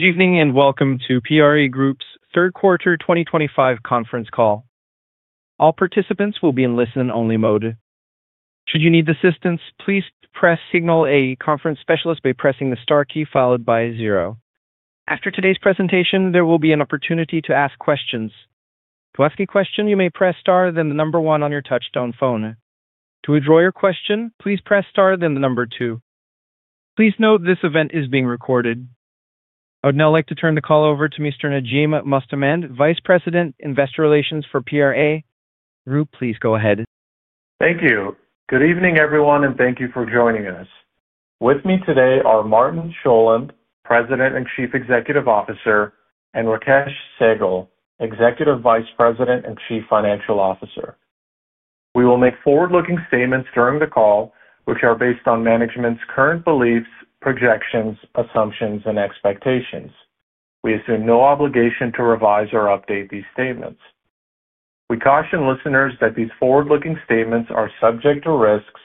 Good evening and welcome to PRA Group's Third Quarter 2025 Conference Call. All participants will be in listen-only mode. Should you need assistance, please signal a Conference Specialist by pressing the star key followed by zero. After today's presentation, there will be an opportunity to ask questions. To ask a question, you may press star and then the number one on your touch-tone phone. To withdraw your question, please press star and then the number two. Please note this event is being recorded. I would now like to turn the call over to Mr. Najim Mostamand, Vice President, Investor Relations for PRA Group. Please go ahead. Thank you. Good evening, everyone, and thank you for joining us. With me today are Martin Sjolund, President and Chief Executive Officer, and Rakesh Sehgal, Executive Vice President and Chief Financial Officer. We will make forward-looking statements during the call, which are based on management's current beliefs, projections, assumptions, and expectations. We assume no obligation to revise or update these statements. We caution listeners that these forward-looking statements are subject to risks,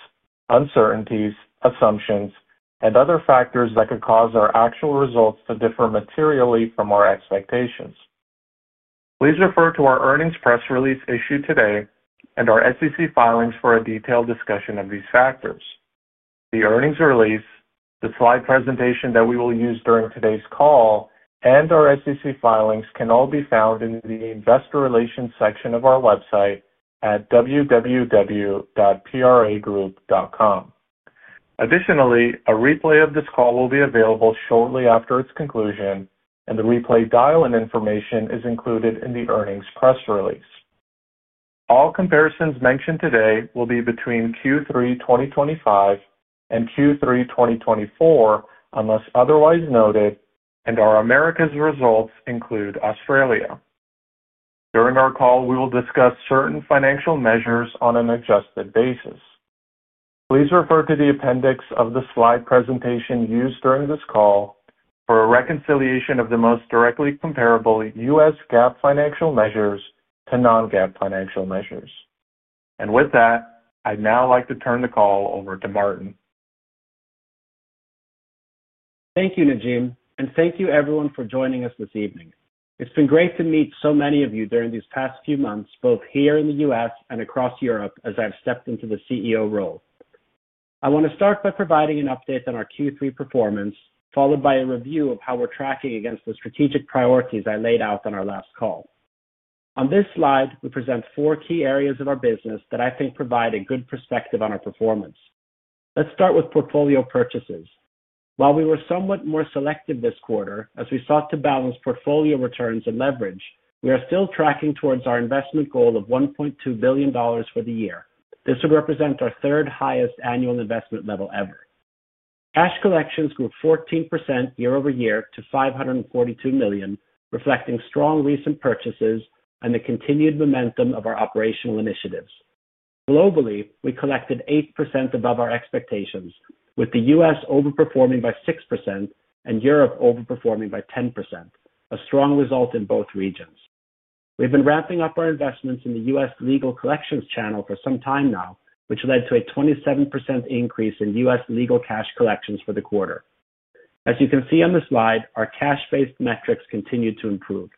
uncertainties, assumptions, and other factors that could cause our actual results to differ materially from our expectations. Please refer to our earnings press release issued today and our SEC Filings for a detailed discussion of these factors. The earnings release, the slide presentation that we will use during today's call, and our SEC Filings can all be found in the Investor Relations section of our website at www.PRAGroup.com. Additionally, a replay of this call will be available shortly after its conclusion, and the replay dial-in information is included in the earnings press release. All comparisons mentioned today will be between Q3 2025 and Q3 2024 unless otherwise noted, and our Americas results include Australia. During our call, we will discuss certain Financial Measures on an Adjusted basis. Please refer to the Appendix of the slide presentation used during this call for a reconciliation of the most directly comparable U.S. GAAP Financial Measures to non-GAAP Financial Measures. With that, I'd now like to turn the call over to Martin. Thank you, Najim, and thank you, everyone, for joining us this evening. It's been great to meet so many of you during these past few months, both here in the U.S. and across Europe, as I've stepped into the CEO role. I want to start by providing an update on our Q3 performance, followed by a review of how we're tracking against the strategic priorities I laid out on our last call. On this slide, we present four key areas of our business that I think provide a good perspective on our performance. Let's start with Portfolio Purchases. While we were somewhat more selective this quarter, as we sought to balance Portfolio Returns and Leverage, we are still tracking towards our investment goal of $1.2 billion for the year. This would represent our third-highest Annual Investment level ever. Cash Collections grew 14% year-over-year to $542 million, reflecting strong recent purchases and the continued momentum of our operational initiatives. Globally, we collected 8% above our expectations, with the U.S. overperforming by 6% and Europe overperforming by 10%, a strong result in both regions. We've been ramping up our investments in the Legal Collections Channel for some time now, which led to a 27% increase in U.S. Legal Cash Collections for the quarter. As you can see on the slide, our Cash-Based metrics continue to improve.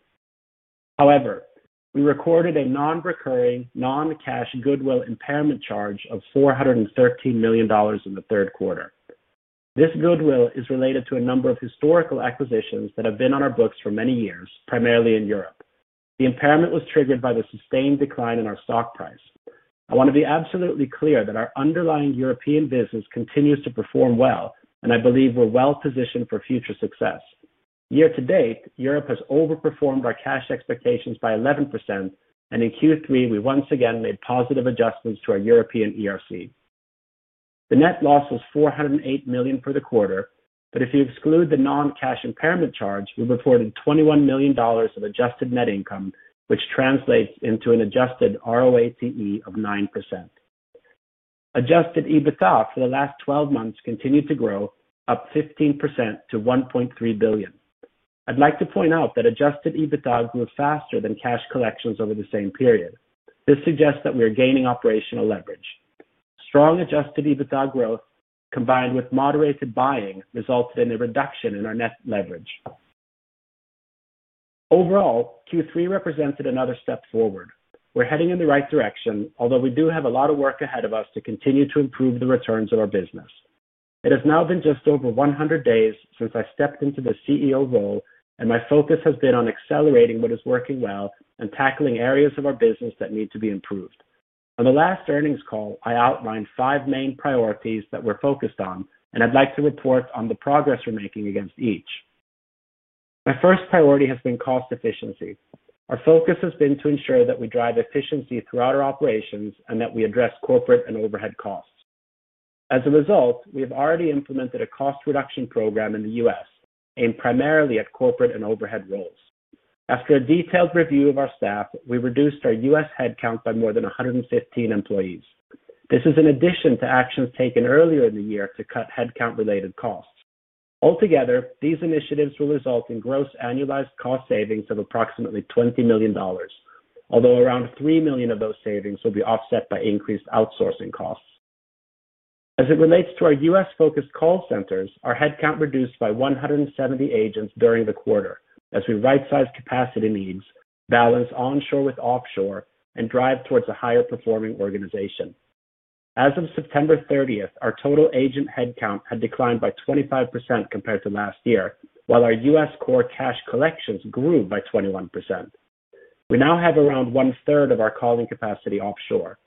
However, we recorded a non-recurring non-cash Goodwill Impairment Charge of $413 million in the third quarter. This Goodwill is related to a number of historical acquisitions that have been on our books for many years, primarily in Europe. The impairment was triggered by the sustained decline in our Stock Price. I want to be absolutely clear that our underlying European business continues to perform well, and I believe we're well-positioned for future success. Year-to-date, Europe has overperformed our cash expectations by 11%, and in Q3, we once again made positive adjustments to our European ERC. The net loss was $408 million for the quarter, but if you exclude the non-cash impairment charge, we reported $21 million of Adjusted Net Income, which translates into an Adjusted ROATE of 9%. Adjusted EBITDA for the last 12 months continued to grow, up 15% to $1.3 billion. I'd like to point out that Adjusted EBITDA grew faster than Cash Collections over the same period. This suggests that we are gaining operational leverage. Strong Adjusted EBITDA growth, combined with moderated buying, resulted in a reduction in our net leverage. Overall, Q3 represented another step forward. We're heading in the right direction, although we do have a lot of work ahead of us to continue to improve the returns of our business. It has now been just over 100 days since I stepped into the CEO role, and my focus has been on accelerating what is working well and tackling areas of our business that need to be improved. On the last earnings call, I outlined five main priorities that we're focused on, and I'd like to report on the progress we're making against each. My first priority has been Cost Efficiency. Our focus has been to ensure that we drive efficiency throughout our operations and that we address corporate and overhead costs. As a result, we have already implemented a cost reduction program in the U.S., aimed primarily at corporate and overhead roles. After a detailed review of our staff, we reduced our U.S. headcount by more than 115 employees. This is in addition to actions taken earlier in the year to cut headcount-related costs. Altogether, these initiatives will result in gross annualized cost savings of approximately $20 million, although around $3 million of those savings will be offset by increased outsourcing costs. As it relates to our U.S.-focused call centers, our headcount reduced by 170 agents during the quarter, as we right-sized capacity needs, balanced onshore with offshore, and drive towards a higher-performing organization. As of September 30th, our total agent headcount had declined by 25% compared to last year, while our U.S. Core Cash Collections grew by 21%. We now have around one-third of our calling capacity offshore.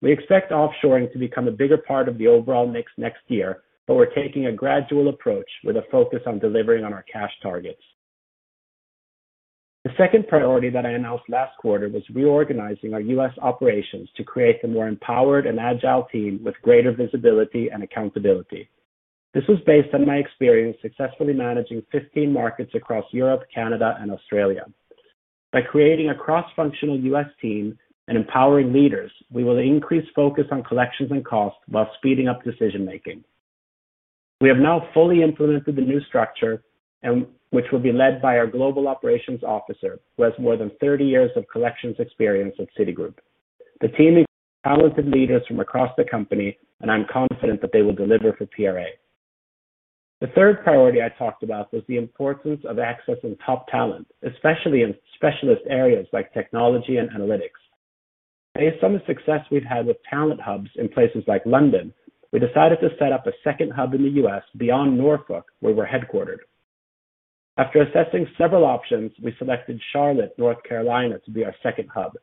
We expect offshoring to become a bigger part of the overall mix next year, but we're taking a gradual approach with a focus on delivering on our Cash Targets. The second priority that I announced last quarter was reorganizing our U.S. Operations to create a more empowered and agile team with greater visibility and accountability. This was based on my experience successfully managing 15 markets across Europe, Canada, and Australia. By creating a cross-functional U.S. Team and empowering leaders, we will increase focus on collections and costs while speeding up decision-making. We have now fully implemented the new structure, which will be led by our Global Operations Officer, who has more than 30 years of collections experience at Citigroup. The team includes talented leaders from across the company, and I'm confident that they will deliver for PRA. The third priority I talked about was the importance of accessing top talent, especially in specialist areas like Technology and Analytics. Based on the success we've had with talent hubs in places like London, we decided to set up a second hub in the U.S. beyond Norfolk, where we're headquartered. After assessing several options, we selected Charlotte, North Carolina, to be our second hub.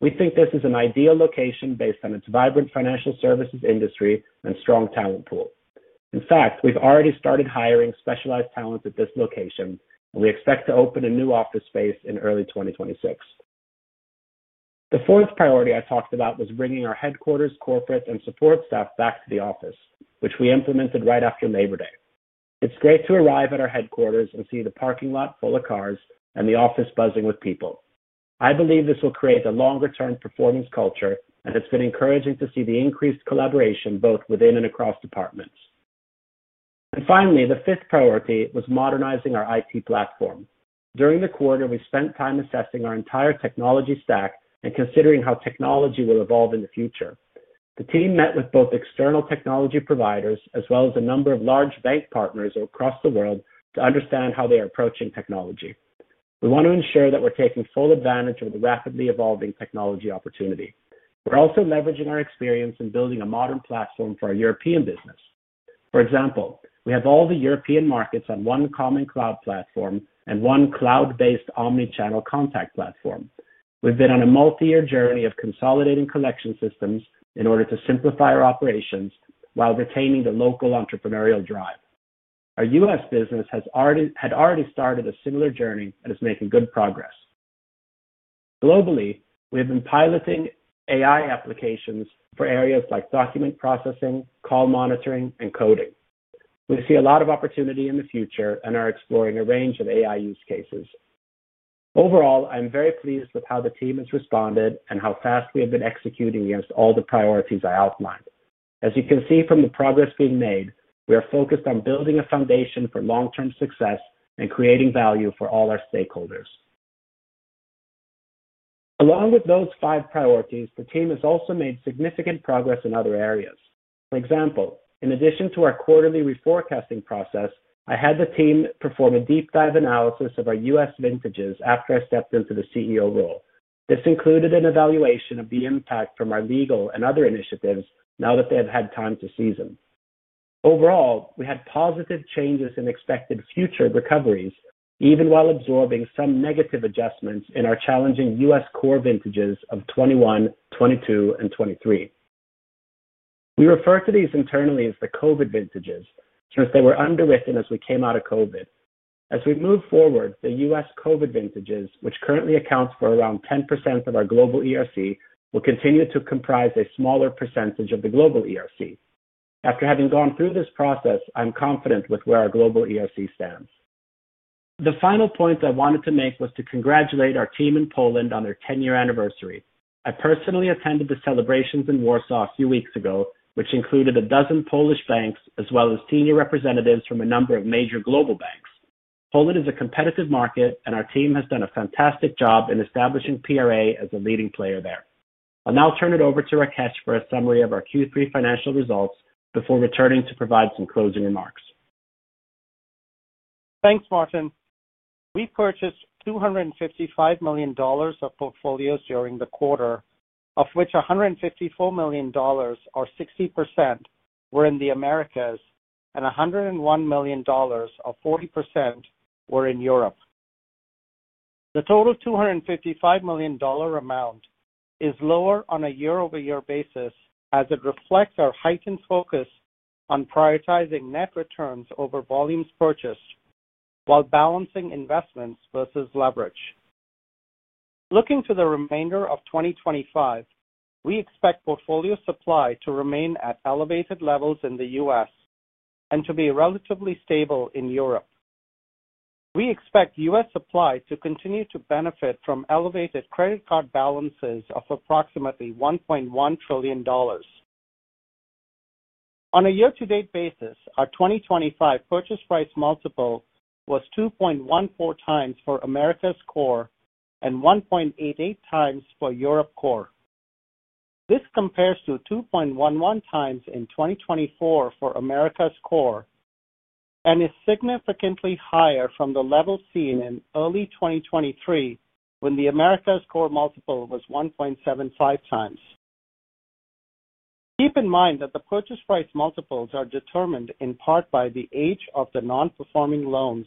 We think this is an ideal location based on its vibrant financial services industry and strong talent pool. In fact, we've already started hiring specialized talent at this location, and we expect to open a new office space in early 2026. The fourth priority I talked about was bringing our Headquarters, Corporate, and Support Staff back to the office, which we implemented right after Labor Day. It's great to arrive at our Headquarters and see the parking lot full of cars and the office buzzing with people. I believe this will create a longer-term performance culture, and it has been encouraging to see the increased collaboration both within and across departments. Finally, the fifth priority was modernizing our IT Platform. During the quarter, we spent time assessing our entire Technology Stack and considering how technology will evolve in the future. The team met with both external Technology Providers as well as a number of large bank partners across the world to understand how they are approaching technology. We want to ensure that we are taking full advantage of the rapidly evolving Technology opportunity. We are also leveraging our experience in building a modern platform for our European business. For example, we have all the European markets on one common Ploud platform and one Cloud-based Omnichannel Contact Platform. We have been on a multi-year journey of consolidating collection systems in order to simplify our operations while retaining the local entrepreneurial drive. Our U.S. business had already started a similar journey and is making good progress. Globally, we have been piloting AI Applications for areas like document processing, call monitoring, and coding. We see a lot of opportunity in the future and are exploring a range of AI use cases. Overall, I am very pleased with how the team has responded and how fast we have been executing against all the priorities I outlined. As you can see from the progress being made, we are focused on building a foundation for long-term success and creating value for all our Stakeholders. Along with those five priorities, the team has also made significant progress in other areas. For example, in addition to our quarterly reforecasting process, I had the team perform a deep-dive analysis of our U.S. Vintages after I stepped into the CEO role. This included an evaluation of the impact from our legal and other initiatives now that they have had time to season. Overall, we had positive changes in expected future recoveries, even while absorbing some negative adjustments in our challenging U.S. Core Vintages of 2021, 2022, and 2023. We refer to these internally as the COVID Vintages since they were underwritten as we came out of COVID. As we move forward, the U.S. COVID Vintages, which currently account for around 10% of our global ERC, will continue to comprise a smaller percentage of the global ERC. After having gone through this process, I am confident with where our global ERC stands. The final point I wanted to make was to congratulate our team in Poland on their 10-year anniversary. I personally attended the celebrations in Warsaw a few weeks ago, which included a dozen Polish banks as well as senior representatives from a number of major global banks. Poland is a competitive market, and our team has done a fantastic job in establishing PRA as a leading player there. I will now turn it over to Rakesh for a summary of our Q3 Financial Results before returning to provide some closing remarks. Thanks, Martin. We purchased $255 million of portfolios during the quarter, of which $154 million, or 60%, were in the Americas, and $101 million, or 40%, were in Europe. The total $255 million amount is lower on a year-over-year basis as it reflects our heightened focus on prioritizing net returns over volumes purchased while balancing investments versus leverage. Looking to the remainder of 2025, we expect Portfolio Supply to remain at elevated levels in the U.S. and to be relatively stable in Europe. We expect U.S. Supply to continue to benefit from elevated credit card balances of approximately $1.1 trillion. On a year-to-date basis, our 2025 purchase price multiple was 2.14 times for Americas Core and 1.88 times for Europe Core. This compares to 2.11 times in 2024 for Americas Core. It is significantly higher from the level seen in early 2023 when the Americas Core multiple was 1.75 times. Keep in mind that the purchase price multiples are determined in part by the age of the non-performing loans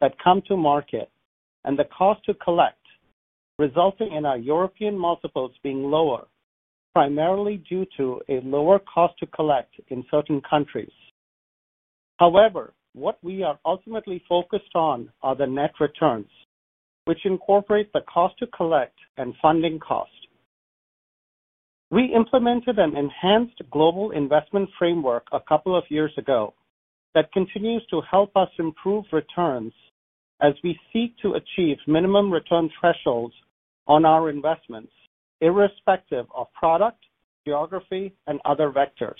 that come to market and the cost to collect, resulting in our European multiples being lower, primarily due to a lower cost to collect in certain countries. However, what we are ultimately focused on are the net returns, which incorporate the cost to collect and funding cost. We implemented an enhanced global investment framework a couple of years ago that continues to help us improve returns as we seek to achieve minimum return thresholds on our Investments, irrespective of Product, Geography, and other Vectors.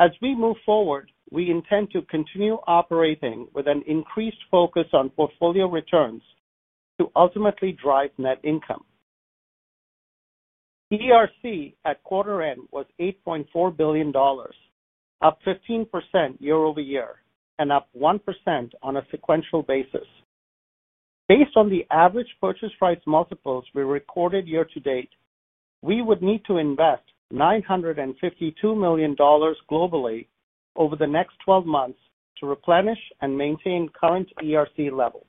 As we move forward, we intend to continue operating with an increased focus on Portfolio Returns to ultimately drive Net Income. ERC at quarter-end was $8.4 billion, up 15% year-over-year and up 1% on a sequential basis. Based on the average purchase price multiples we recorded year-to-date, we would need to invest $952 million globally over the next 12 months to replenish and maintain current ERC levels.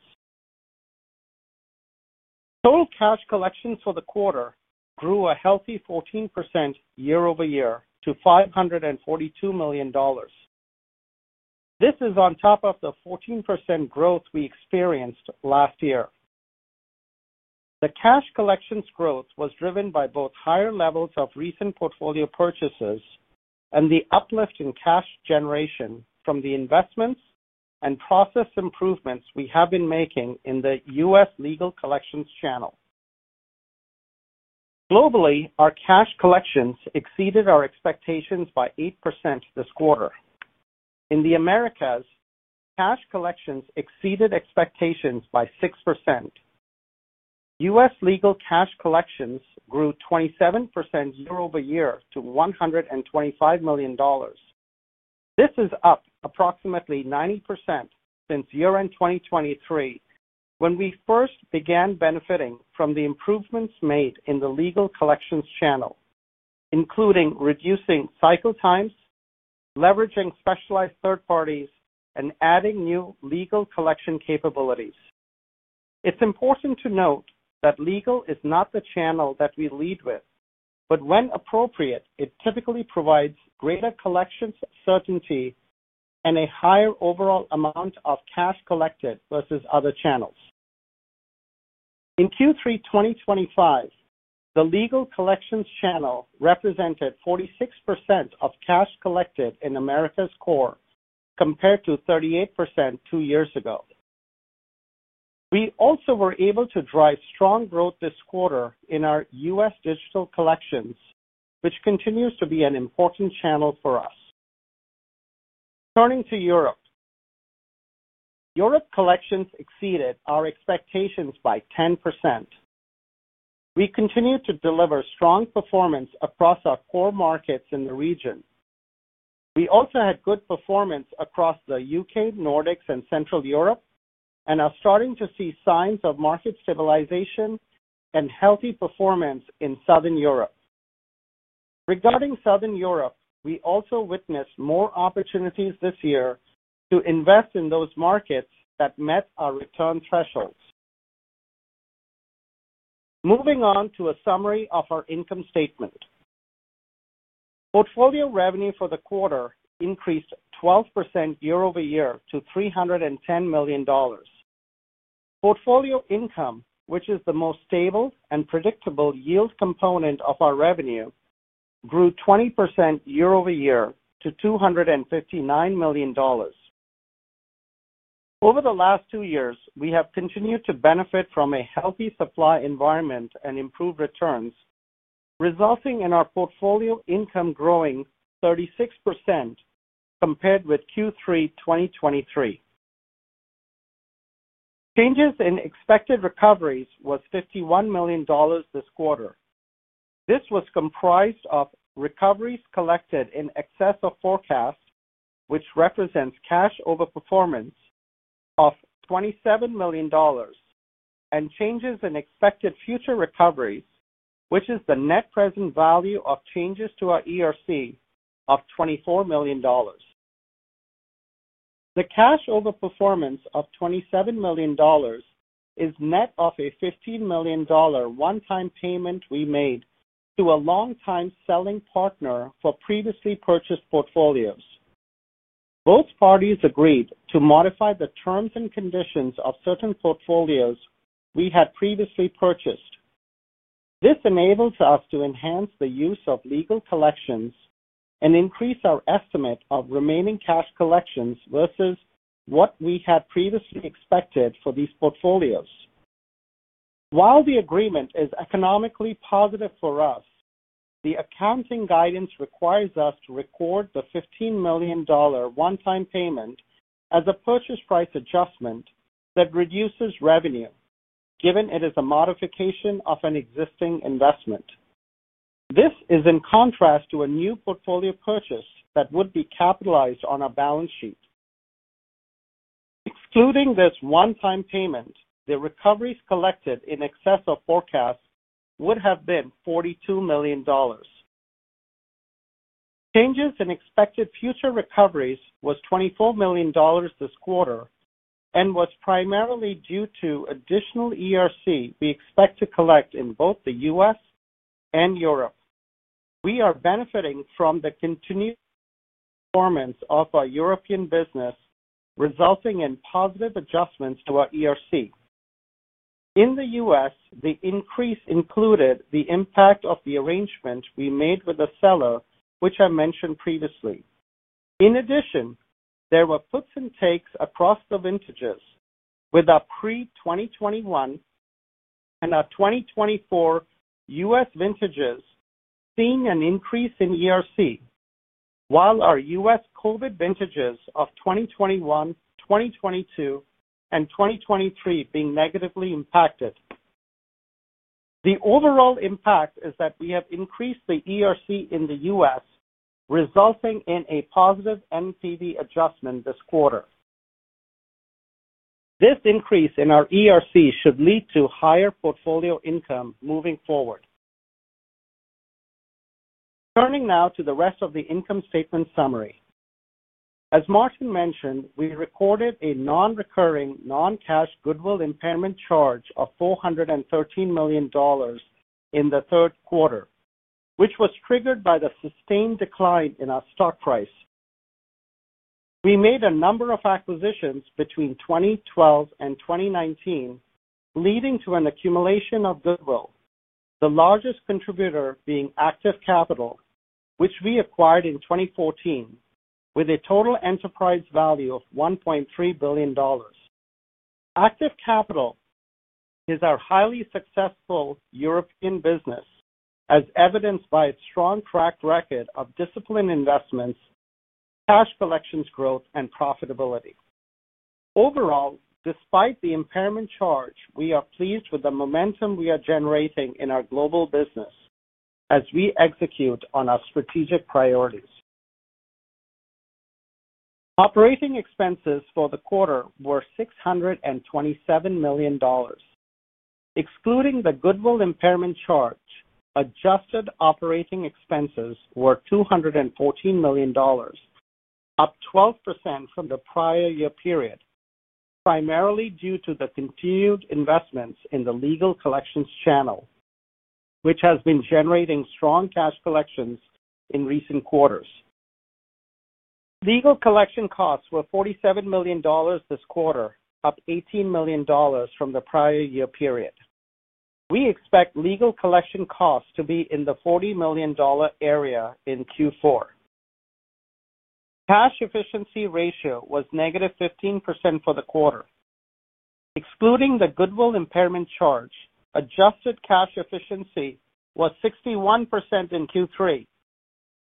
Total Cash Collections for the quarter grew a healthy 14% year-over-year to $542 million. This is on top of the 14% growth we experienced last year. The Cash Collections growth was driven by both higher levels of recent Portfolio Purchases and the uplift in cash generation from the investments and process improvements we have been making in the Legal Collections Channel. globally, our Cash Collections exceeded our expectations by 8% this quarter. In the Americas, Cash Collections exceeded expectations by 6%. U.S. Legal Cash Collections grew 27% year-over-year to $125 million. This is up approximately 90% since year-end 2023 when we first began benefiting from the improvements made in Legal Collections Channel, including reducing cycle times, leveraging specialized third parties, and adding new legal collection capabilities. It's important to note that legal is not the channel that we lead with, but when appropriate, it typically provides greater collections certainty and a higher overall amount of cash collected versus other channels. In Q3 2025, Legal Collections channel represented 46% of cash collected in Americas Core compared to 38% two years ago. We also were able to drive strong growth this quarter in our U.S. digital collections, which continues to be an important channel for us. Turning to Europe. Europe collections exceeded our expectations by 10%. We continue to deliver strong performance across our core markets in the region. We also had good performance across the U.K., Nordics, and Central Europe, and are starting to see signs of market stabilization and healthy performance in Southern Europe. Regarding Southern Europe, we also witnessed more opportunities this year to invest in those markets that met our return thresholds. Moving on to a summary of our income statement. Portfolio Revenue for the quarter increased 12% year-over-year to $310 million. Portfolio Income, which is the most stable and predictable yield component of our revenue, grew 20% year-over-year to $259 million. Over the last two years, we have continued to benefit from a healthy supply environment and improved returns, resulting in our Portfolio Income growing 36% compared with Q3 2023. Changes in expected recoveries were $51 million this quarter. This was comprised of recoveries collected in excess of forecast, which represents cash over performance, of $27 million, and changes in expected future recoveries, which is the net present value of changes to our ERC, of $24 million. The cash over performance of $27 million is net of a $15 million one-time payment we made to a long-time selling partner for previously purchased portfolios. Both parties agreed to modify the terms and conditions of certain portfolios we had previously purchased. This enables us to enhance the use of Legal Collections and increase our estimate of remaining Cash Collections versus what we had previously expected for these portfolios. While the agreement is economically positive for us, the accounting guidance requires us to record the $15 million one-time payment as a purchase price adjustment that reduces revenue, given it is a modification of an existing investment. This is in contrast to a new Portfolio Purchase that would be Capitalized on our balance sheet. Excluding this one-time payment, the recoveries collected in excess of forecast would have been $42 million. Changes in expected future recoveries were $24 million this quarter and were primarily due to additional ERC we expect to collect in both the U.S. and Europe. We are benefiting from the continued performance of our European business, resulting in positive adjustments to our ERC. In the U.S., the increase included the impact of the arrangement we made with the seller, which I mentioned previously. In addition, there were puts and takes across the Vintages, with our pre-2021 and our 2024 U.S. Vintages seeing an increase in ERC, while our U.S. COVID Vintages of 2021, 2022, and 2023 being negatively impacted. The overall impact is that we have increased the ERC in the U.S., resulting in a positive NPV adjustment this quarter. This increase in our ERC should lead to higher Portfolio Income moving forward. Turning now to the rest of the income statement summary. As Martin mentioned, we recorded a non-recurring non-cash Goodwill Impairment Charge of $413 million in the third quarter, which was triggered by the sustained decline in our stock price. We made a number of acquisitions between 2012 and 2019, leading to an accumulation of Goodwill, the largest contributor being Aktiv Kapital, which we acquired in 2014, with a total enterprise value of $1.3 billion. Aktiv Kapital is our highly successful European business, as evidenced by its strong track record of disciplined investments, Cash Collections growth, and profitability. Overall, despite the impairment charge, we are pleased with the momentum we are generating in our global business as we execute on our strategic priorities. Operating expenses for the quarter were $627 million. Excluding the Goodwill Impairment Charge, Adjusted operating expenses were $214 million, up 12% from the prior year period, primarily due to the continued investments in Legal Collections Channel, which has been generating strong Cash Collections in recent quarters. Legal Collection Costs were $47 million this quarter, up $18 million from the prior year period. We expect Legal Collection Costs to be in the $40 million area in Q4. Cash Efficiency Ratio was negative 15% for the quarter. Excluding the Goodwill Impairment Charge, Adjusted cash efficiency was 61% in Q3,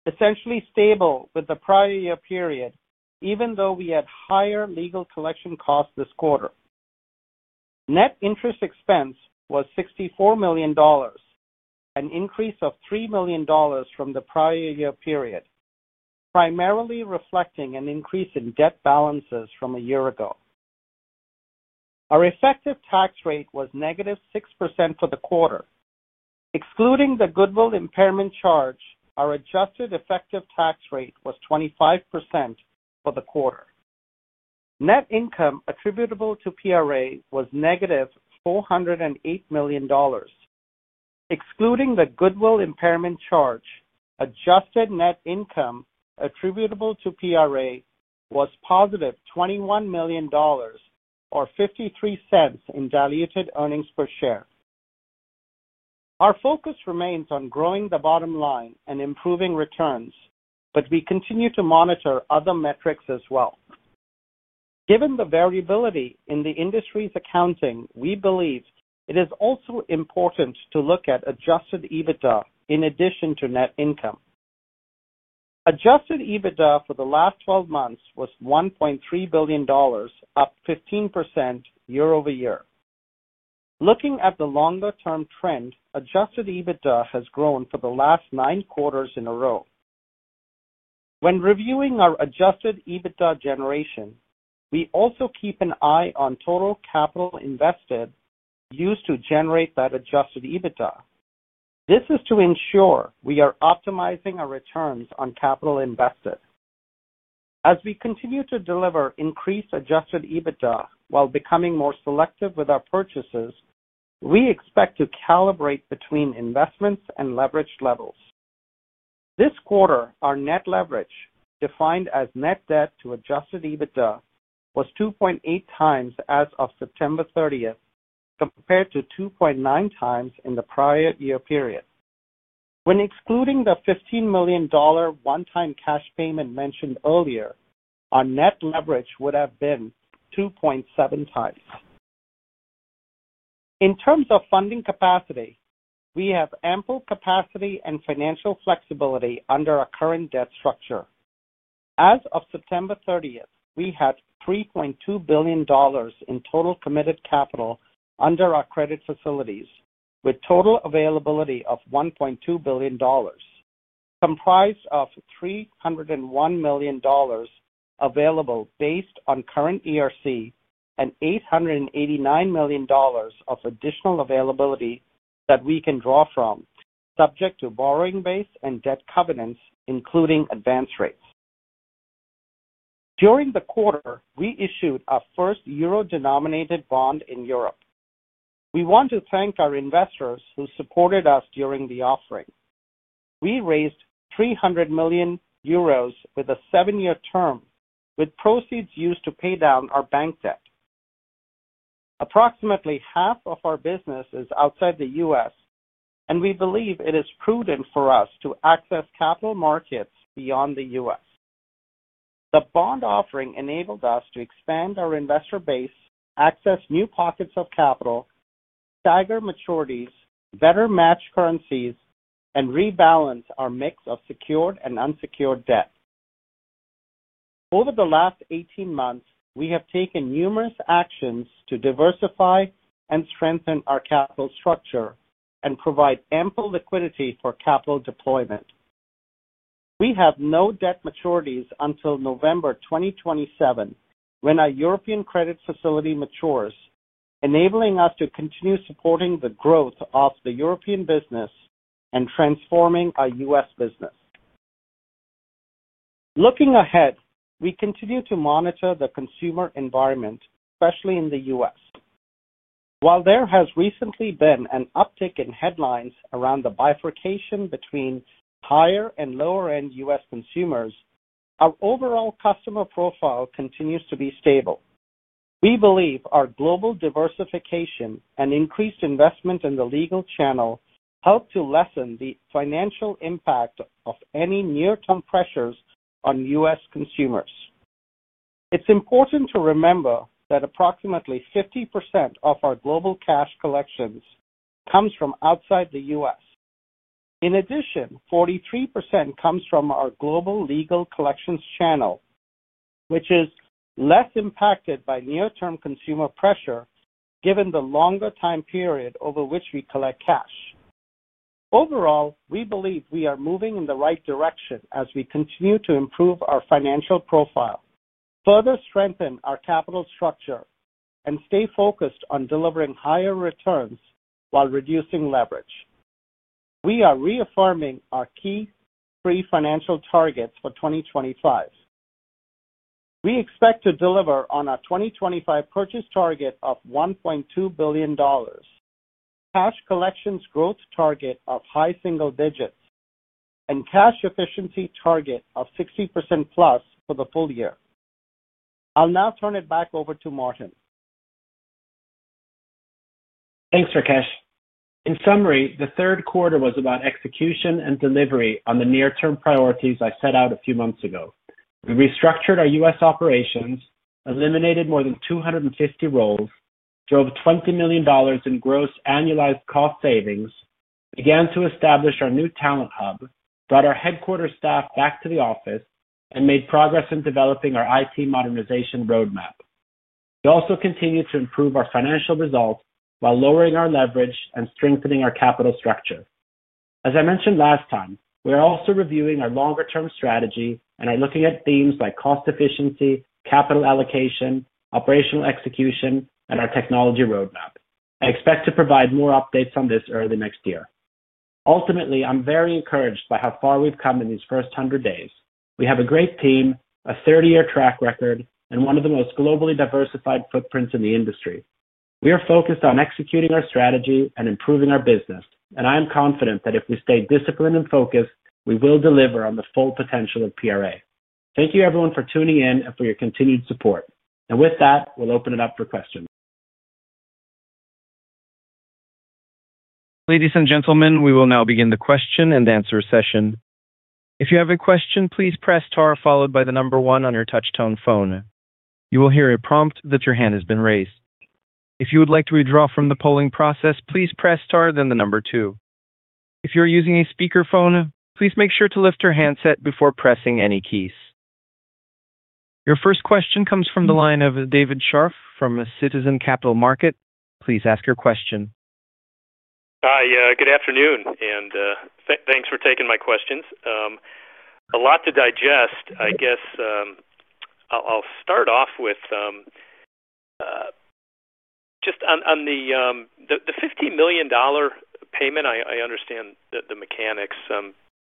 essentially stable with the prior year period, even though we had higher Legal Collection Costs this quarter. Net interest expense was $64 million, an increase of $3 million from the prior year period, primarily reflecting an increase in debt balances from a year ago. Our effective tax rate was negative 6% for the quarter. Excluding the Goodwill Impairment Charge, our Adjusted effective tax rate was 25% for the quarter. Net Income attributable to PRA was negative $408 million. Excluding the Goodwill Impairment Charge, Adjusted Net Income attributable to PRA was positive $21 million, or $0.53 in valuated earnings per share. Our focus remains on growing the bottom line and improving returns, but we continue to monitor other metrics as well. Given the variability in the industry's accounting, we believe it is also important to look at Adjusted EBITDA in addition to Net Income. Adjusted EBITDA for the last 12 months was $1.3 billion, up 15% year-over-year. Looking at the longer-term trend, Adjusted EBITDA has grown for the last nine quarters in a row. When reviewing our Adjusted EBITDA generation, we also keep an eye on total Capital Invested used to generate that Adjusted EBITDA. This is to ensure we are optimizing our returns on Capital Invested. As we continue to deliver increased Adjusted EBITDA while becoming more selective with our purchases, we expect to calibrate between investments and leverage levels. This quarter, our Net leverage, defined as Net debt to Adjusted EBITDA, was 2.8 times as of September 30th compared to 2.9 times in the prior year period. When excluding the $15 million. One-time cash payment mentioned earlier, our net leverage would have been 2.7 times. In terms of funding capacity, we have ample capacity and financial flexibility under our current debt structure. As of September 30th, we had $3.2 billion in Total Committed Capital under our credit facilities, with total availability of $1.2 billion, comprised of $301 million available based on current ERC and $889 million of additional availability that we can draw from, subject to Borrowing Base and Debt Covenants, including Advance Rates. During the quarter, we issued our first euro-denominated bond in Europe. We want to thank our investors who supported us during the offering. We raised 300 million euros with a seven-year term, with proceeds used to pay down our Bank Debt. Approximately half of our business is outside the U.S., and we believe it is prudent for us to access Capital markets beyond the U.S. The bond offering enabled us to expand our investor base, access new pockets of Capital, stagger maturities, better match currencies, and rebalance our mix of secured and unsecured debt. Over the last 18 months, we have taken numerous actions to diversify and strengthen our Capital structure and provide ample liquidity for Capital deployment. We have no debt maturities until November 2027 when our European credit facility matures, enabling us to continue supporting the growth of the European business and transforming our U.S. business. Looking ahead, we continue to monitor the Consumer Environment, especially in the U.S. While there has recently been an uptick in headlines around the bifurcation between higher and lower-end U.S. Consumers, our overall Customer Profile continues to be stable. We believe our Global Diversification and increased investment in the Legal Channel help to lessen the financial impact of any near-term pressures on U.S. Consumers. It's important to remember that approximately 50% of our global Cash Collections comes from outside the U.S. In addition, 43% comes from our Legal Collections Channel, which is less impacted by near-term consumer pressure given the longer time period over which we collect cash. Overall, we believe we are moving in the right direction as we continue to improve our financial profile, further strengthen our Capital structure, and stay focused on delivering higher returns while reducing leverage. We are reaffirming our key three financial targets for 2025. We expect to deliver on our 2025 purchase target of $1.2 billion, Cash Collections growth target of high single digits, and cash efficiency target of 60% plus for the full year. I'll now turn it back over to Martin. Thanks, Rakesh. In summary, the third quarter was about execution and delivery on the near-term priorities I set out a few months ago. We restructured our U.S. operations, eliminated more than 250 roles, drove $20 million in Gross Annualized Cost Savings, began to establish our new Talent Hub, brought our headquarters staff back to the office, and made progress in developing our IT Modernization Roadmap. We also continue to improve our Financial Results while lowering our leverage and strengthening our Capital Structure. As I mentioned last time, we are also reviewing our longer-term strategy and are looking at themes like cost efficiency, Capital Allocation, Operational Execution, and our Technology Roadmap. I expect to provide more updates on this early next year. Ultimately, I'm very encouraged by how far we've come in these first 100 days. We have a great team, a 30-year track record, and one of the most globally diversified footprints in the industry. We are focused on executing our strategy and improving our business, and I am confident that if we stay disciplined and focused, we will deliver on the full potential of PRA. Thank you, everyone, for tuning in and for your continued support. With that, we'll open it up for questions. Ladies and gentlemen, we will now begin the question and answer session. If you have a question, please press star followed by the number one on your touch-tone phone. You will hear a prompt that your hand has been raised. If you would like to withdraw from the polling process, please press star then the number two. If you're using a speakerphone, please make sure to lift your handset before pressing any keys. Your first question comes from the line of David Scharf from Citizen Capital Markets. Please ask your question. Hi, good afternoon, and thanks for taking my questions. A lot to digest, I guess. I'll start off with just on the $15 million payment. I understand the mechanics.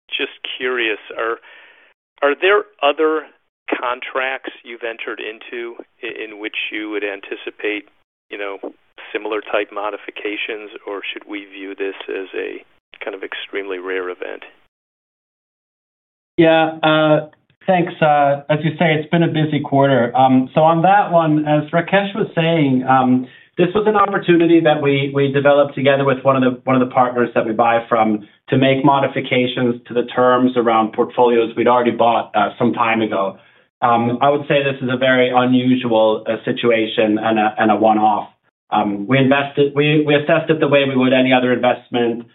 Just curious, are there other contracts you've entered into in which you would anticipate similar-type modifications, or should we view this as a kind of extremely rare event? Yeah, thanks. As you say, it's been a busy quarter. On that one, as Rakesh was saying, this was an opportunity that we developed together with one of the partners that we buy from to make modifications to the terms around portfolios we'd already bought some time ago. I would say this is a very unusual situation and a one-off. We assessed it the way we would any other investment.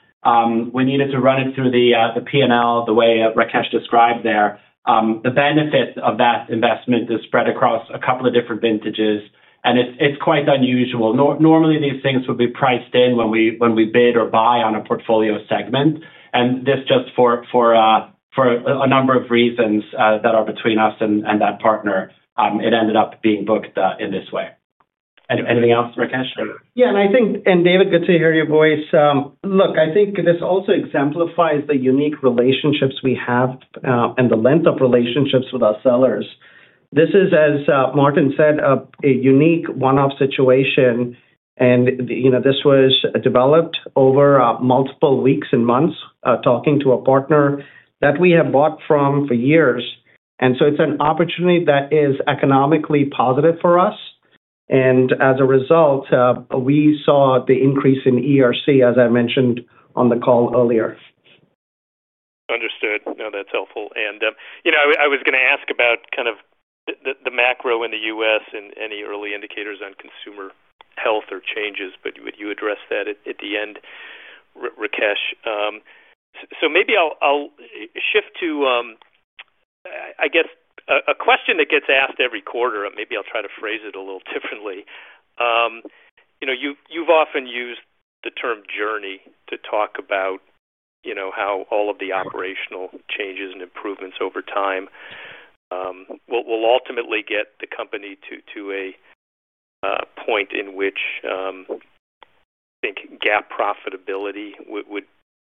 We needed to run it through the P&L, the way Rakesh described there. The benefit of that investment is spread across a couple of different Vintages, and it's quite unusual. Normally, these things would be priced in when we bid or buy on a Portfolio Segment, and this just for a number of reasons that are between us and that partner, it ended up being booked in this way. Anything else, Rakesh? Yeah, and I think, and David, good to hear your voice. Look, I think this also exemplifies the unique relationships we have and the length of relationships with our sellers. This is, as Martin said, a unique one-off situation, and this was developed over multiple weeks and months talking to a partner that we have bought from for years. It is an opportunity that is economically positive for us. As a result, we saw the increase in ERC, as I mentioned on the call earlier. Understood. No, that's helpful. I was going to ask about kind of the Macro in the U.S. and any Early Indicators on Consumer Health or changes, but you addressed that at the end, Rakesh. Maybe I'll shift to, I guess, a question that gets asked every quarter. Maybe I'll try to phrase it a little differently. You've often used the term journey to talk about how all of the operational changes and improvements over time will ultimately get the company to a point in which I think GAAP profitability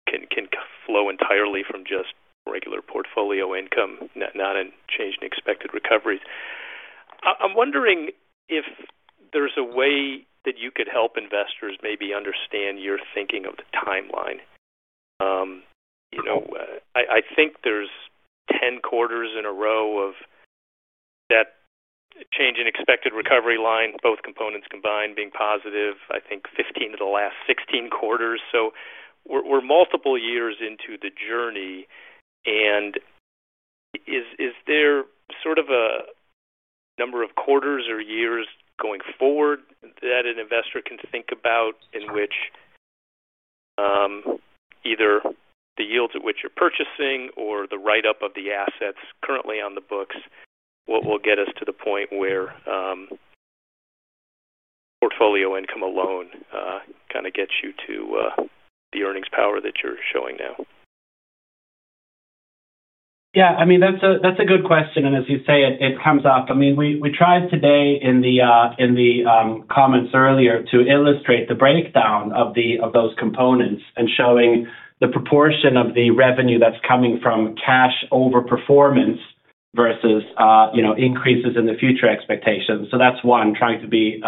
can flow entirely from just regular Portfolio Income, not a change in expected recoveries. I'm wondering if there's a way that you could help investors maybe understand your thinking of the timeline. I think there's 10 quarters in a row of that change in expected recovery line, both components combined being positive, I think 15 of the last 16 quarters. We are multiple years into the journey, and is there sort of a number of quarters or years going forward that an investor can think about in which either the yields at which you're purchasing or the write-up of the assets currently on the books will get us to the point where Portfolio Income alone kind of gets you to the earnings power that you're showing now? Yeah, I mean, that's a good question. As you say, it comes up. We tried today in the comments earlier to illustrate the breakdown of those components and showing the proportion of the revenue that's coming from cash Overperformance versus increases in the future expectations. That's one, trying to be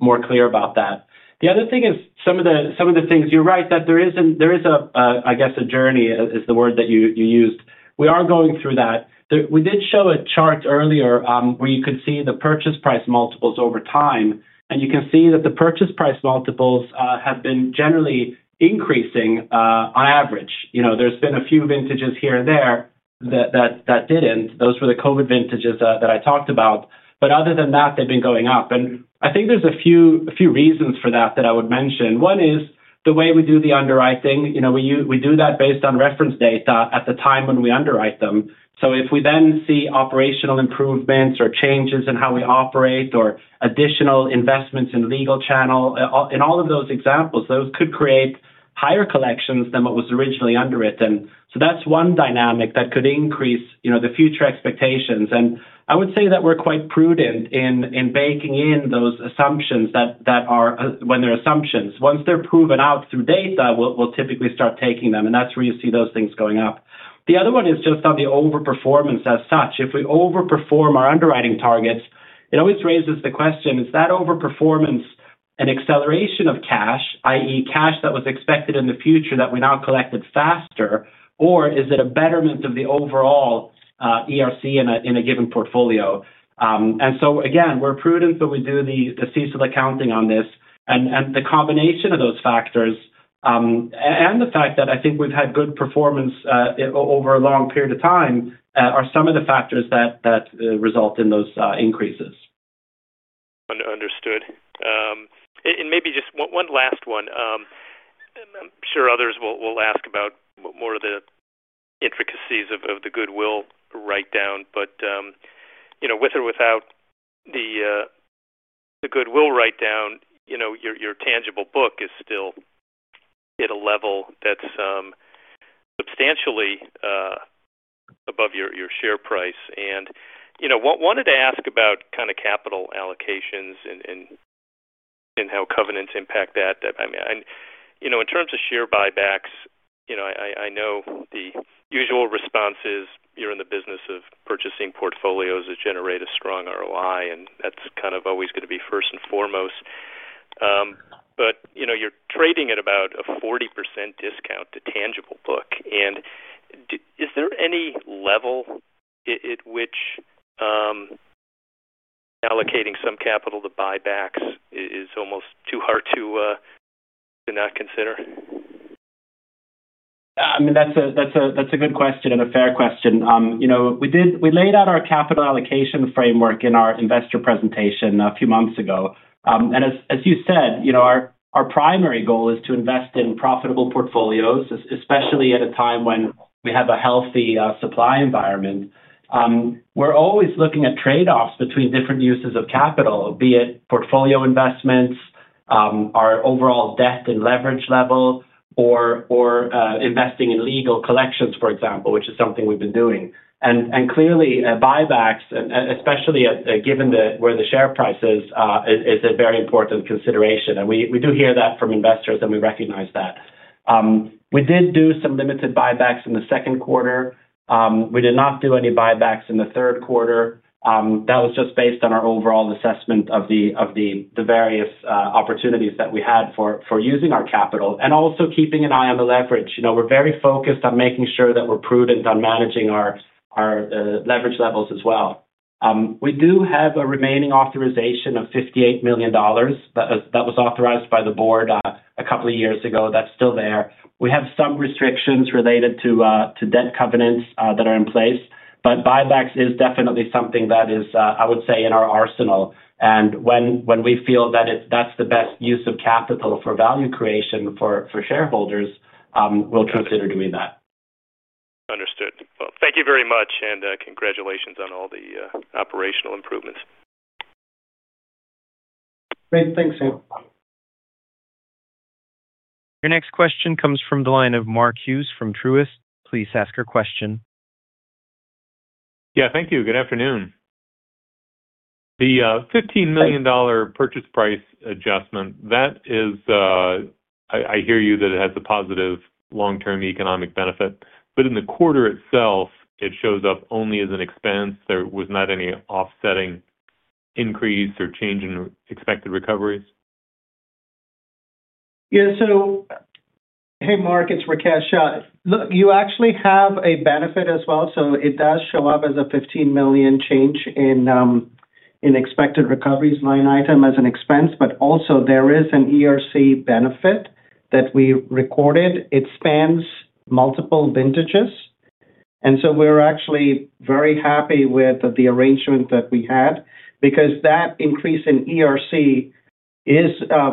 more clear about that. The other thing is some of the things, you're right that there is, I guess, a journey is the word that you used. We are going through that. We did show a chart earlier where you could see the purchase price multiples over time, and you can see that the purchase price multiples have been generally increasing on average. There's been a few Vintages here and there that did not. Those were the COVID Vintages that I talked about. Other than that, they've been going up. I think there's a few reasons for that that I would mention. One is the way we do the underwriting. We do that based on reference data at the time when we underwrite them. If we then see operational improvements or changes in how we operate or additional investments in legal channel, in all of those examples, those could create higher collections than what was originally underwritten. That's one dynamic that could increase the future expectations. I would say that we're quite prudent in baking in those assumptions when they're assumptions. Once they're proven out through data, we'll typically start taking them, and that's where you see those things going up. The other one is just on the Overperformance as such. If we overperform our underwriting targets, it always raises the question, is that Overperformance an acceleration of Cash, i.e., cash that was expected in the future that we now collected faster, or is it a betterment of the overall ERC in a given portfolio? And so, again, we're prudent when we do the CSIL accounting on this. The combination of those factors and the fact that I think we've had good performance over a long period of time are some of the factors that result in those increases. Understood. Maybe just one last one. I'm sure others will ask about more of the intricacies of the Goodwill Write-Down, but with or without the Goodwill Write-Down, your tangible book is still at a level that's substantially above your share price. What I wanted to ask about is kind of Capital Allocations and how covenants impact that. I mean, in terms of share buybacks, I know the usual response is you're in the business of purchasing portfolios that generate a strong ROI, and that's kind of always going to be first and foremost. You're trading at about a 40% discount to tangible book. Is there any level at which allocating some Capital to buybacks is almost too hard to not consider? I mean, that's a good question and a fair question. We laid out our Capital Allocation Framework in our Investor Presentation a few months ago. As you said, our primary goal is to invest in Profitable Portfolios, especially at a time when we have a healthy Supply Environment. We're always looking at trade-offs between different uses of Capital, be it Portfolio Investments, our overall debt and leverage level, or investing in Legal Collections, for example, which is something we've been doing. Clearly, buybacks, especially given where the share price is, is a very important consideration. We do hear that from investors, and we recognize that. We did do some limited buybacks in the second quarter. We did not do any buybacks in the third quarter. That was just based on our overall assessment of the various opportunities that we had for using our Capital and also keeping an eye on the leverage. We're very focused on making sure that we're prudent on managing our leverage levels as well. We do have a remaining authorization of $58 million that was authorized by the board a couple of years ago. That's still there. We have some restrictions related to debt covenants that are in place, but buybacks is definitely something that is, I would say, in our arsenal. When we feel that that's the best use of Capital for value creation for shareholders, we'll consider doing that. Understood. Thank you very much, and congratulations on all the Operational improvements. Great. Thanks, Sam. Your next question comes from the line of Mark Hughes from Truist. Please ask your question. Yeah, thank you. Good afternoon. The $15 million purchase price Adjustment, that is. I hear you that it has a positive long-term economic benefit. But in the quarter itself, it shows up only as an expense. There was not any offsetting increase or change in expected recoveries. Yeah. So. Hey, Mark, it's Rakesh. Look, you actually have a benefit as well. So it does show up as a $15 million change in expected recoveries line item as an expense, but also there is an ERC benefit that we recorded. It spans multiple Vintages. We are actually very happy with the arrangement that we had because that increase in ERC is,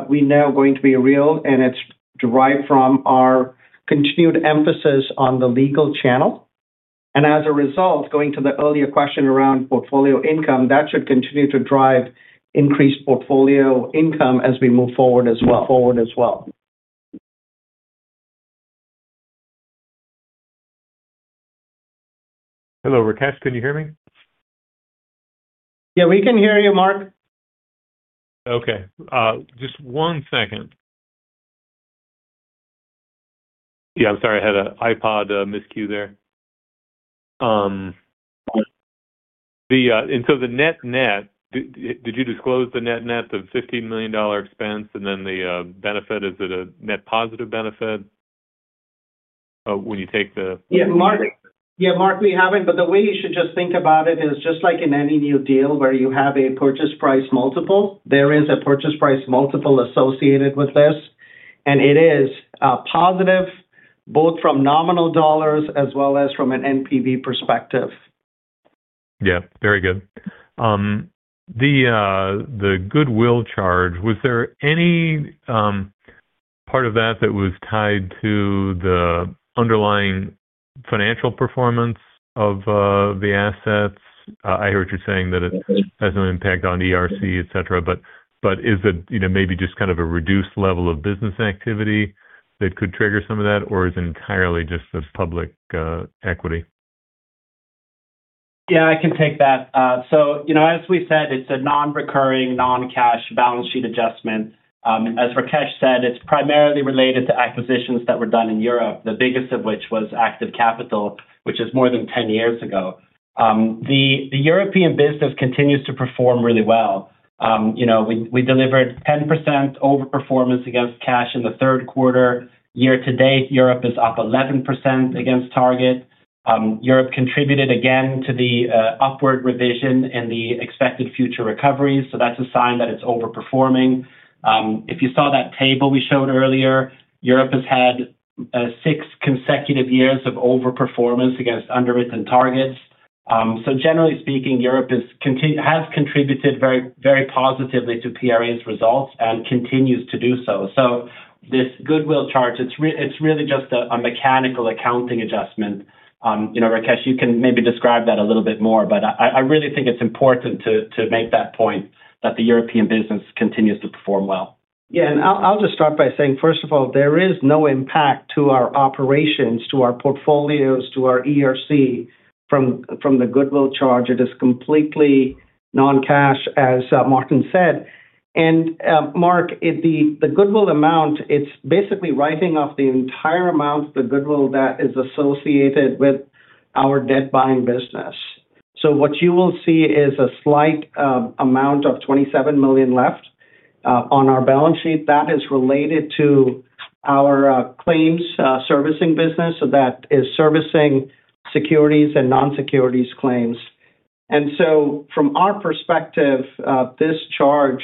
we know, going to be real, and it's derived from our continued emphasis on the Legal Channel. As a result, going to the earlier question around Portfolio Income, that should continue to drive increased Portfolio Income as we move forward as well. Hello, Rakesh. Can you hear me? Yeah, we can hear you, Mark. Okay. Just one second. Yeah, I'm sorry. I had an iPod miscue there. The net-net, did you disclose the net-net of $15 million expense and then the benefit? Is it a net positive benefit when you take the— Yeah, Mark, we haven't. The way you should just think about it is just like in any new deal where you have a purchase price multiple, there is a purchase price multiple associated with this, and it is positive both from nominal dollars as well as from an NPV perspective. Yeah. Very good. The Goodwill Charge, was there any part of that that was tied to the underlying financial performance of the assets? I heard you saying that it has an impact on ERC, etc., but is it maybe just kind of a reduced level of business activity that could trigger some of that, or is it entirely just the public equity? Yeah, I can take that. As we said, it's a non-recurring, non-cash Balance Sheet Adjustment. As Rakesh said, it's primarily related to acquisitions that were done in Europe, the biggest of which was Aktiv Kapital, which is more than 10 years ago. The European business continues to perform really well. We delivered 10% Overperformance against cash in the third quarter. Year-to-date, Europe is up 11% against target. Europe contributed again to the Upward Revision and the expected Future Recoveries. That's a sign that it's overperforming. If you saw that table we showed earlier, Europe has had six consecutive years of Overperformance against underwritten targets. Generally speaking, Europe has contributed very positively to PRA's Results and continues to do so. This Goodwill Charge, it's really just a Mechanical Accounting Adjustment. Rakesh, you can maybe describe that a little bit more, but I really think it's important to make that point that the European business continues to perform well. Yeah. I'll just start by saying, first of all, there is no impact to our operations, to our Portfolios, to our ERC from the Goodwill Charge. It is completely non-cash, as Martin said. Mark, the Goodwill Amount, it's basically writing off the entire amount of the Goodwill that is associated with our debt buying business. What you will see is a slight amount of $27 million left on our Balance Sheet. That is related to our claims servicing business. That is servicing securities and non-securities claims. From our perspective, this charge,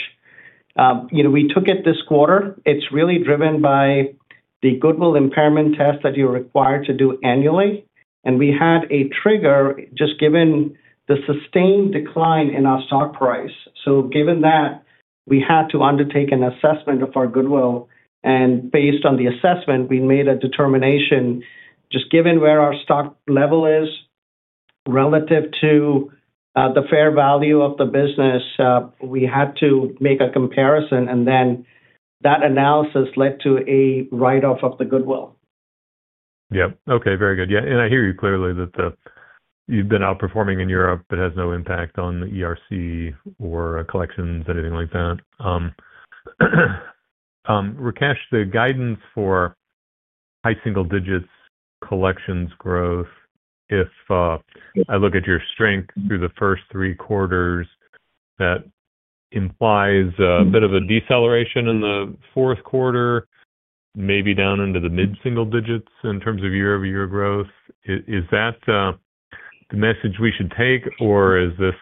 we took it this quarter. It's really driven by the Goodwill Impairment Test that you're required to do annually. We had a trigger just given the sustained decline in our stock Price. Given that, we had to undertake an assessment of our Goodwill. Based on the assessment, we made a determination just given where our stock level is relative to the fair value of the business. We had to make a comparison, and that analysis led to a write-off of the Goodwill. Yeah. Okay. Very good. Yeah. I hear you clearly that you've been outperforming in Europe but has no impact on ERC or collections, anything like that. Rakesh, the guidance for high single-digit collections growth, if I look at your strength through the first three quarters, that implies a bit of a deceleration in the fourth quarter, maybe down into the mid-single digits in terms of year-over-year growth. Is that the message we should take, or is this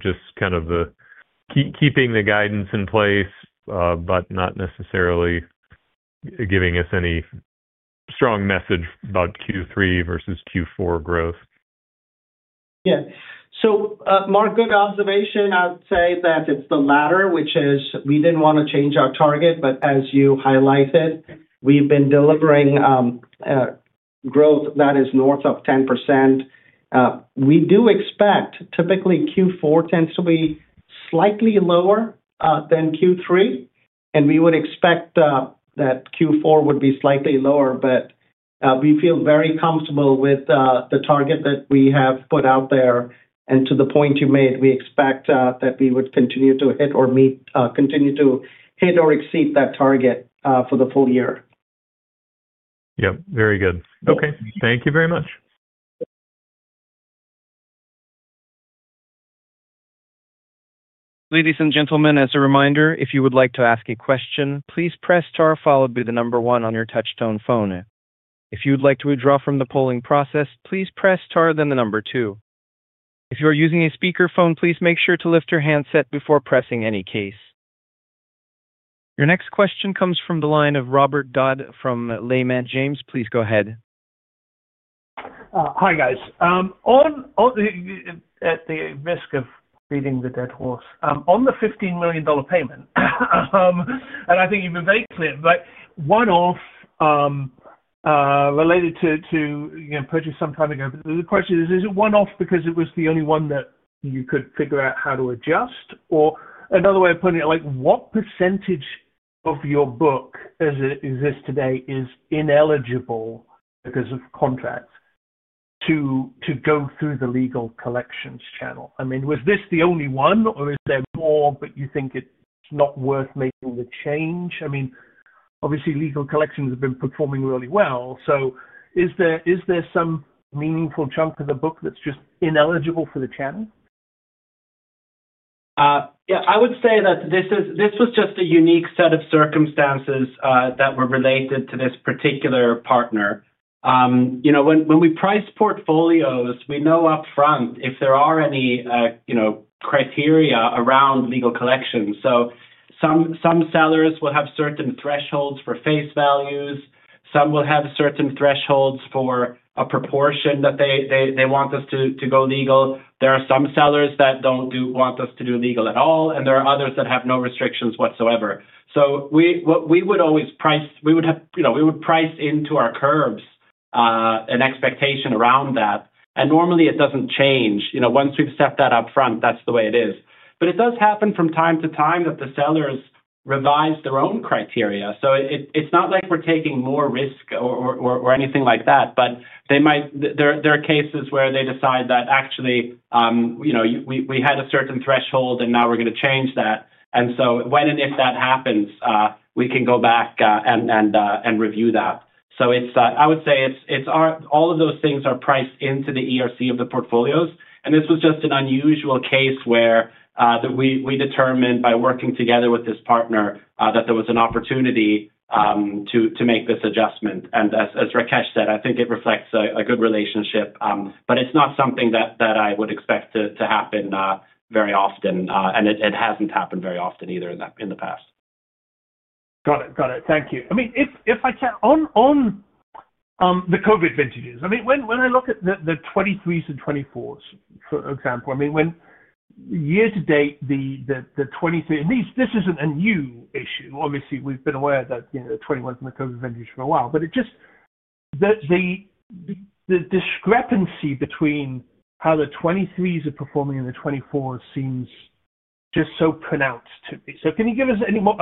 just kind of keeping the guidance in place but not necessarily giving us any strong message about Q3 versus Q4 growth? Yeah. Mark, good observation. I'd say that it's the latter, which is we didn't want to change our target, but as you highlighted, we've been delivering growth that is north of 10%. We do expect typically Q4 tends to be slightly lower than Q3, and we would expect that Q4 would be slightly lower, but we feel very comfortable with the target that we have put out there. To the point you made, we expect that we would continue to hit or exceed that target for the full year. Yep. Very good. Okay. Thank you very much. Ladies and gentlemen, as a reminder, if you would like to ask a question, please press star followed by the number one on your touch-tone phone. If you'd like to withdraw from the polling process, please press star then the number two. If you are using a speakerphone, please make sure to lift your handset before pressing any case. Your next question comes from the line of Robert Dodd from Raymond James. Please go ahead. Hi, guys. At the risk of feeding the dead horse, on the $15 million payment. I think you've been vaguely clear, but one-off. Related to purchase some time ago. The question is, is it one-off because it was the only one that you could figure out how to adjust? Or another way of putting it, what percentage of your book as it exists today is ineligible because of contracts to go through Legal Collections Channel? i mean, was this the only one, or is there more, but you think it's not worth making the change? I mean, obviously, Legal Collections have been performing really well. Is there some meaningful chunk of the book that's just ineligible for the channel? Yeah. I would say that this was just a unique set of circumstances that were related to this particular partner. When we price portfolios, we know upfront if there are any criteria around Legal Collections. Some sellers will have certain thresholds for face values. Some will have certain thresholds for a proportion that they want us to go legal. There are some sellers that don't want us to do legal at all, and there are others that have no restrictions whatsoever. We would always price, we would price into our curves an expectation around that. Normally, it doesn't change. Once we've set that upfront, that's the way it is. It does happen from time to time that the sellers revise their own criteria. It's not like we're taking more risk or anything like that, but there are cases where they decide that actually, we had a certain threshold, and now we're going to change that. When and if that happens, we can go back and review that. I would say all of those things are priced into the ERC of the portfolios. This was just an unusual case where we determined by working together with this partner that there was an opportunity to make this adjustment. As Rakesh said, I think it reflects a good relationship, but it's not something that I would expect to happen very often, and it hasn't happened very often either in the past. Got it. Got it. Thank you. If I can on the COVID Vintages, when I look at the 2023s and 2024s, for example, year-to-date, the 2023, and this isn't a new issue. Obviously, we've been aware that 2021's been a COVID Vintage for a while, but the discrepancy between how the 2023s are performing and the 2024s seems just so pronounced to me. Can you give us any more?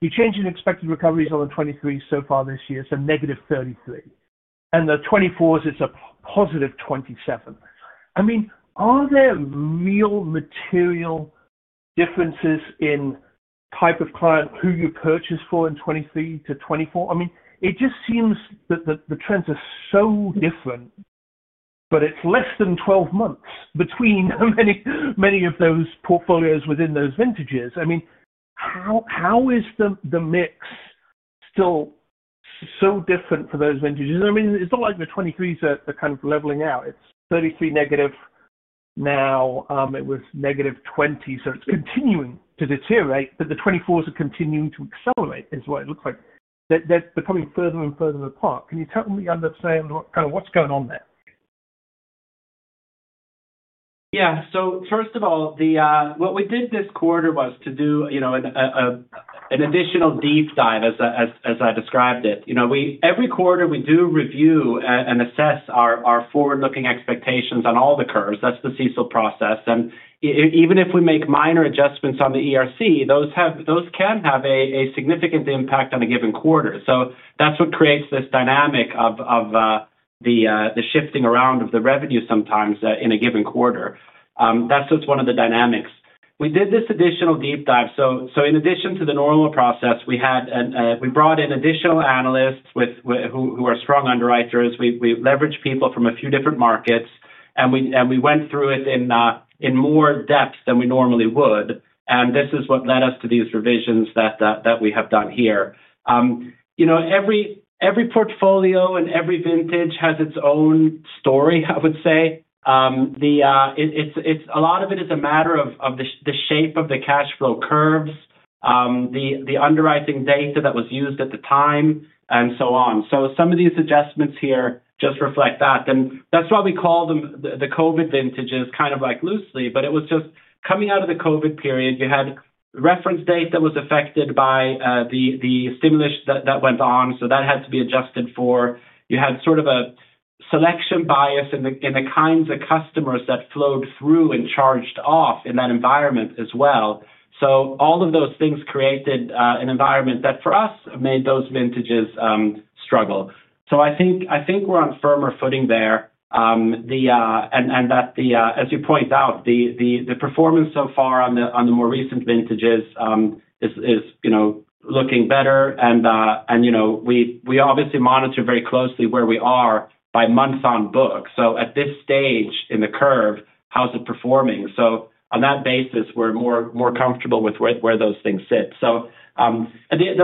You changed the expected recoveries on the 2023 so far this year, so -33, and the 2024s, it's a +27. Are there real material differences in type of client who you purchase for in 2023 to 2024? It just seems that the trends are so different. It's less than 12 months between many of those portfolios within those Vintages. How is the mix still. Different for those Vintages? I mean, it's not like the 2023s are kind of leveling out. It's -33. Now it was -20, so it's continuing to deteriorate, but the 2024s are continuing to accelerate is what it looks like. They're becoming further and further apart. Can you help me understand kind of what's going on there? Yeah. First of all, what we did this quarter was to do an additional deep dive, as I described it. Every quarter, we do review and assess our forward-looking expectations on all the curves. That's the CSOL process. Even if we make minor adjustments on the ERC, those can have a significant impact on a given quarter. That's what creates this dynamic of the shifting around of the revenue sometimes in a given quarter. That's just one of the dynamics. We did this additional deep dive. In addition to the normal process, we brought in additional analysts who are strong underwriters. We leveraged people from a few different markets, and we went through it in more depth than we normally would. This is what led us to these revisions that we have done here. Every portfolio and every Vintage has its own story, I would say. A lot of it is a matter of the shape of the cash flow curves, the underwriting data that was used at the time, and so on. Some of these adjustments here just reflect that. That's why we call them the COVID Vintages, kind of loosely, but it was just coming out of the COVID Period. You had reference data that was affected by the stimulus that went on, so that had to be Adjusted for. You had sort of a selection bias in the kinds of customers that flowed through and charged off in that environment as well. All of those things created an environment that, for us, made those Vintages struggle. I think we're on firmer footing there. As you point out, the performance so far on the more recent Vintages is looking better. We obviously monitor very closely where we are by months on book. At this stage in the curve, how's it performing? On that basis, we're more comfortable with where those things sit. The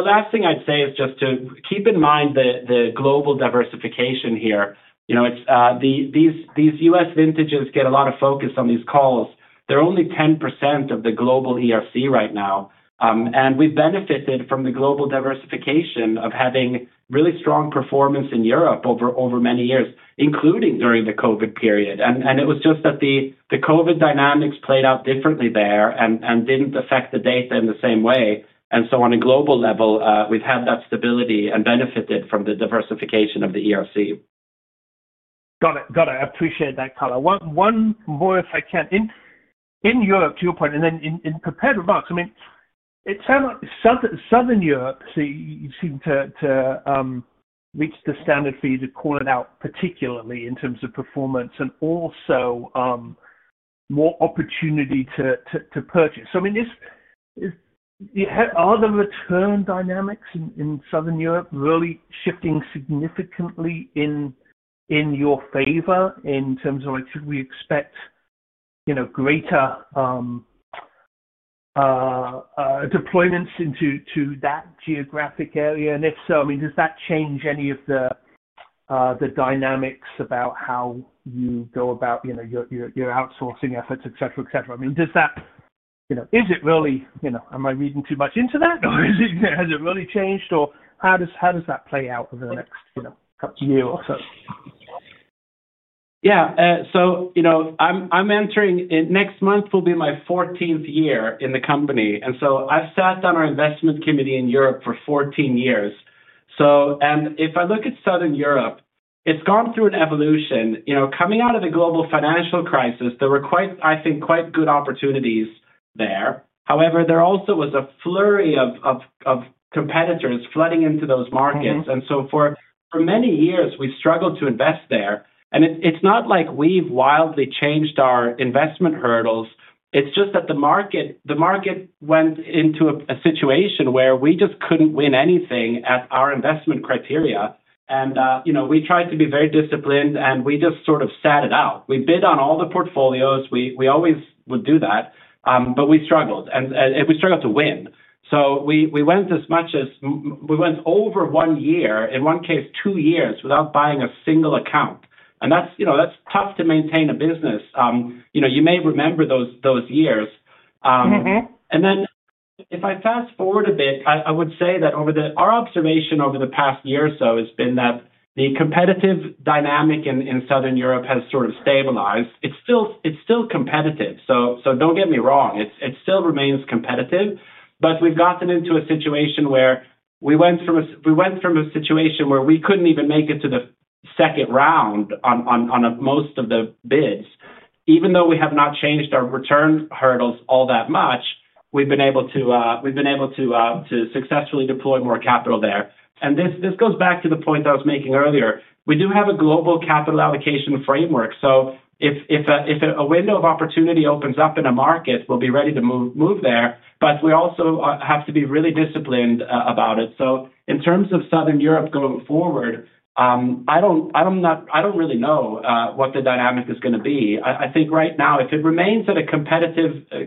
last thing I'd say is just to keep in mind the global diversification here. These U.S. Vintages get a lot of focus on these calls. They're only 10% of the global ERC right now. We've benefited from the global diversification of having really strong performance in Europe over many years, including during the COVID Period. It was just that the COVID Dynamics played out differently there and didn't affect the data in the same way. On a global level, we've had that stability and benefited from the diversification of the ERC. Got it. Got it. I appreciate that colour. One more, if I can. In Europe, to your point, and then in compared remarks, I mean, it sounds like Southern Europe seemed to reach the standard for you to call it out, particularly in terms of performance and also more opportunity to purchase. So I mean, are the return dynamics in Southern Europe really shifting significantly in your favor in terms of, should we expect greater deployments into that geographic area? And if so, I mean, does that change any of the dynamics about how you go about your outsourcing efforts, etc., etc.? I mean, does that, is it really am I reading too much into that, or has it really changed, or how does that play out over the next couple of years or so? Yeah. So, I'm entering next month will be my 14th year in the company. And so I've sat on our Investment Committee in Europe for 14 years. And if I look at Southern Europe, it's gone through an Evolution. Coming out of the global Financial Crisis, there were, I think, quite good opportunities there. However, there also was a flurry of competitors flooding into those markets. And so for many years, we struggled to invest there. And it's not like we've wildly changed our investment hurdles. It's just that the market went into a situation where we just couldn't win anything at our investment criteria. And we tried to be very disciplined, and we just sort of sat it out. We bid on all the portfolios. We always would do that, but we struggled. And we struggled to win. So we went as much as we went over one year, in one case, two years, without buying a single account. And that's tough to maintain a business. You may remember those years. And then if I fast forward a bit, I would say that our observation over the past year or so has been that the competitive dynamic in Southern Europe has sort of stabilized. It's still competitive. So don't get me wrong. It still remains competitive. But we've gotten into a situation where we went from a situation where we couldn't even make it to the second round on most of the bids. Even though we have not changed our return hurdles all that much, we've been able to successfully deploy more Capital there. And this goes back to the point I was making earlier. We do have a global Capital Allocation Framework. If a window of opportunity opens up in a market, we'll be ready to move there. We also have to be really disciplined about it. In terms of Southern Europe going forward, I don't really know what the dynamic is going to be. I think right now, if it remains at a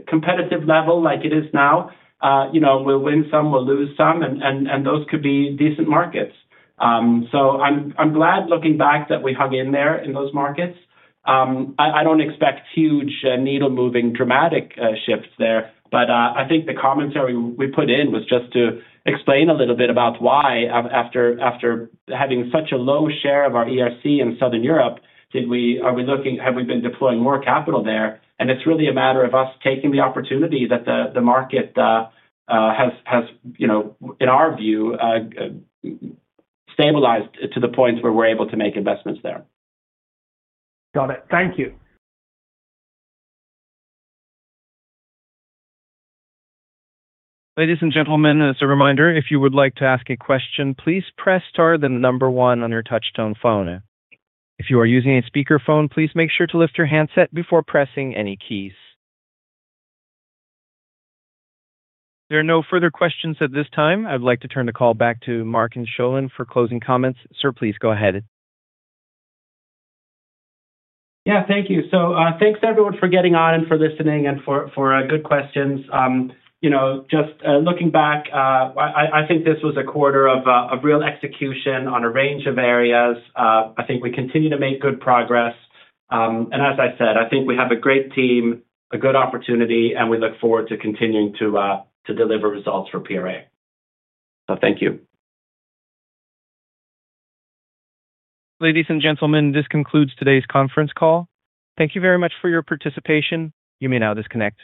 competitive level like it is now, we'll win some, we'll lose some, and those could be decent markets. I'm glad looking back that we hung in there in those markets. I don't expect huge needle-moving, dramatic shifts there. I think the commentary we put in was just to explain a little bit about why, after having such a low share of our ERC in Southern Europe, are we looking, have we been deploying more Capital there? It is really a matter of us taking the opportunity that the market has, in our view, stabilized to the point where we're able to make investments there. Got it. Thank you. Ladies and gentlemen, as a reminder, if you would like to ask a question, please press star then the number one on your touch-tone phone. If you are using a speakerphone, please make sure to lift your handset before pressing any keys. There are no further questions at this time. I would like to turn the call back to Martin Sjolund for closing comments. Sir, please go ahead. Yeah. Thank you. Thanks, everyone, for getting on and for listening and for good questions. Just looking back, I think this was a quarter of real execution on a range of areas. I think we continue to make good progress. As I said, I think we have a great team, a good opportunity, and we look forward to continuing to deliver results for PRA Group. Thank you. Ladies and gentlemen, this concludes today's conference call. Thank you very much for your participation. You may now disconnect.